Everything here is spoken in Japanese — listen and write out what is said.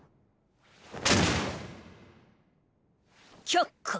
却下。